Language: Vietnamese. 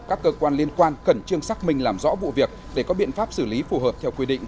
các cơ quan liên quan cần chương sắc mình làm rõ vụ việc để có biện pháp xử lý phù hợp theo quy định